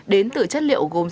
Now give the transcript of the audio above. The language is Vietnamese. đến từ chất liệu gồm